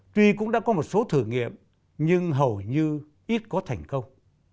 tuy cũng đã có một số thử nghiệm nhưng hầu như ít có thành công